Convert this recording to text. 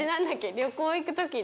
旅行行く時にさ